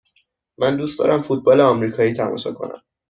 من دوست دارم فوتبال آمریکایی تماشا کنم.